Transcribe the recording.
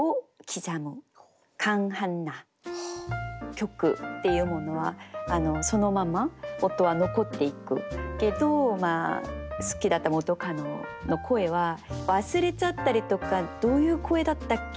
曲っていうものはそのまま音は残っていくけど好きだった元カノの声は忘れちゃったりとか「どういう声だったっけ？」